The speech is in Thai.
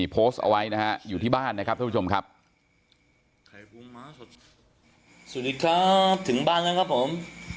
โพสต์เอาไว้นะฮะอยู่ที่บ้านนะครับทุกชมครับสวัสดีครับถึงบ้านแล้วครับผม